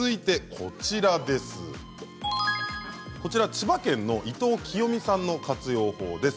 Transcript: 千葉県の伊藤きよみさんの活用法です。